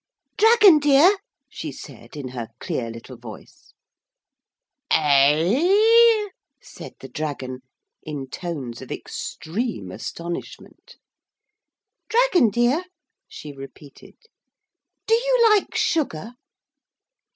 'Dragon dear!' she said in her clear little voice. 'Eh?' said the dragon, in tones of extreme astonishment. 'Dragon dear,' she repeated, 'do you like sugar?'